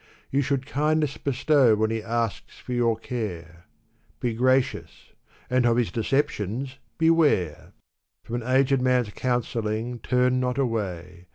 You should kindness bestow when he asks for your care; Be gracious ! and of his deceptions, beware ! From an ag^d man's counselling turn not away